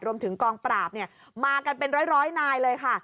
รวมถึงกองปราบมากันเป็นร้อยนายเลยค่ะ